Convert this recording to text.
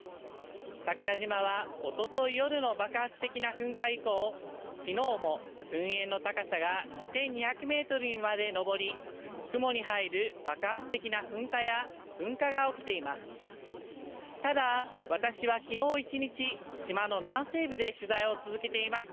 桜島はおととい夜の爆発的な噴火以降、きのうも噴煙の高さが２２００メートルまでに上り、雲に入る爆発的な噴火や、噴火が起きています。